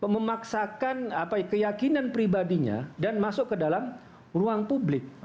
memaksakan keyakinan pribadinya dan masuk ke dalam ruang publik